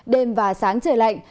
đêm và sáng trời lạnh